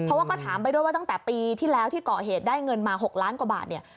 เพราะว่าก็ถามไปด้วยว่าตั้งแต่ปีที่แล้วที่ก่อเหตุได้เงินมา๖ล้านกว่าบาทเนี่ย